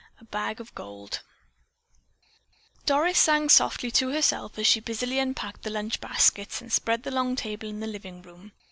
A BAG OF GOLD Doris sang softly to herself as she busily unpacked the lunch baskets and spread the long table in the living room.